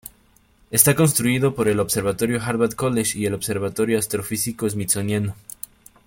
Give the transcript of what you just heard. Está constituido por el observatorio Harvard College y el observatorio astrofísico smithsoniano.